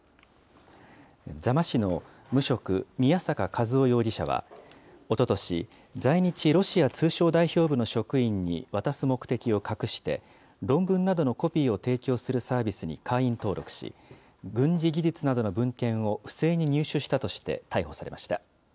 座間市の無職、宮坂和雄容疑者はおととし、在日ロシア通商代表部の職員に渡す目的を隠して、論文などのコピーを提供するサービスに会員登録し、軍事技術などの文献を不正に入手したとして逮捕されました。